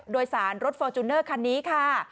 โดยสารรถฟอร์จูเนอร์คันนี้ค่ะ